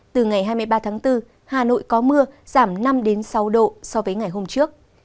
từ ngày hai mươi ba tháng bốn hà nội có mưa giảm năm sáu độ so với ngày hôm trước